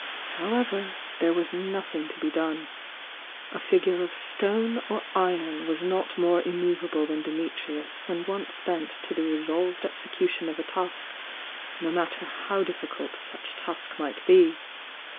However, there was nothing to be done. A figure of stone ur iron was not more immovable than Dimitrius when once bent to the resolved execution of a task, no matter how uifficult such task might bo.